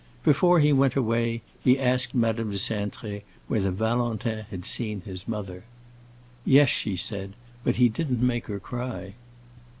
Before he went away he asked Madame de Cintré whether Valentin had seen his mother. "Yes," she said, "but he didn't make her cry."